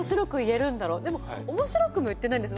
でも面白くも言ってないんです。